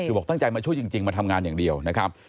คือบอกตั้งใจมาช่วยจริงมาทำงานอย่างเดียวนะครับ